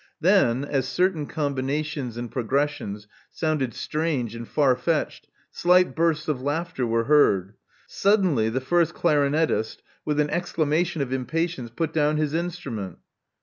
Then, as certain combinations and progressions sounded strange and farfetched, slight bursts of laughter were heard. Suddenly the first clarinettist, with an exclamation of impatience, put down his instrument.